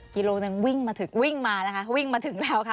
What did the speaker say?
กิโลนึงวิ่งมาถึงวิ่งมานะคะเขาวิ่งมาถึงแล้วค่ะ